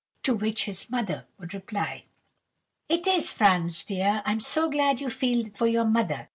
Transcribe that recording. "To which his mother would reply:— "'It is, Franz, dear! I'm so glad you feel for your mother!